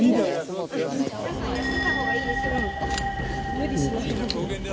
無理しないで。